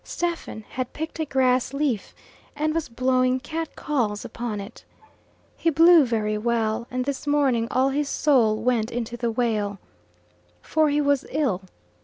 Stephen had picked a grass leaf, and was blowing catcalls upon it. He blew very well, and this morning all his soul went into the wail. For he was ill.